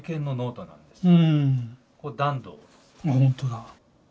あっほんとだ。